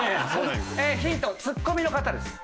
ヒントツッコミの方です。